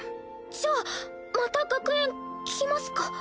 じゃあまた学園来ますか？